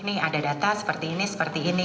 ini ada data seperti ini seperti ini